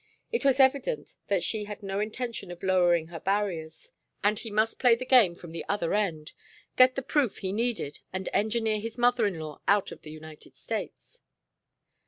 It was evident that she had no intention of lowering her barriers, and he must play the game from the other end: get the proof he needed and engineer his mother in law out of the United States.